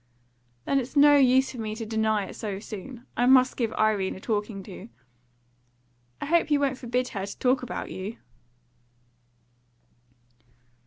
"Then it's no use for me to deny it so soon. I must give Irene a talking to." "I hope you won't forbid her to talk about you!"